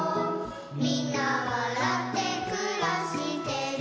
「みんなわらってくらしてる」